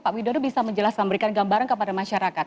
pak widodo bisa menjelaskan memberikan gambaran kepada masyarakat